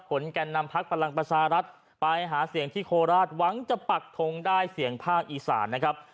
แก่นนำพักพลังประชารัฐไปหาเสียงที่โคราชหวังจะปักทงได้เสียงภาคอีสานนะครับ